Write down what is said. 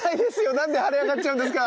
何で腫れ上がっちゃうんですか。